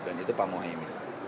dan itu pak mohaim